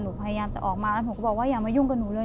พยายามจะออกมาแล้วหนูก็บอกว่าอย่ามายุ่งกับหนูเลย